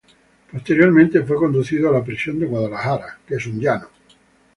Posteriormente fue conducido a la prisión de Guadalajara.